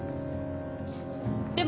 でも。